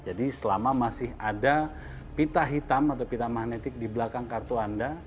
jadi selama masih ada pita hitam atau pita magnetik di belakang kartu anda